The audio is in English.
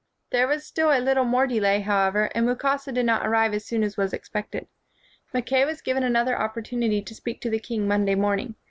There was still a little more delay, how ever, and Mukasa did not arrive as soon as was expected. Mackay was given another opportunity to speak to the king Monday morning.